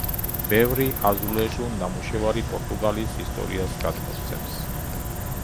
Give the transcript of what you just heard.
ბევრი აზულეჟუ ნამუშევარი პორტუგალიის ისტორიას გადმოსცემს.